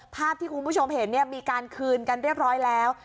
ภาพที่คุณผู้ชมเห็นมีการคืนกันเรียบร้อยแล้ว